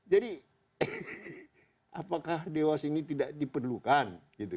jadi apakah dewas ini tidak diperlukan